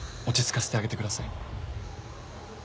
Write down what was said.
落ち着かせてあげてください。